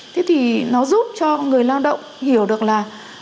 thế thì nó giúp cho người lao động hiểu được là